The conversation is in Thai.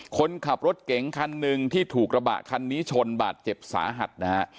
คนขับรถเก๋งคันหนึ่งที่ถูกกระบะคันนี้ชนบาดเจ็บสาหัสนะฮะ